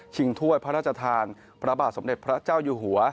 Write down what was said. ถ้วยพระราชทานพระบาทสมเด็จพระเจ้าอยู่หัว